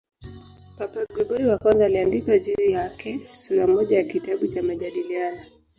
Papa Gregori I aliandika juu yake sura moja ya kitabu cha "Majadiliano".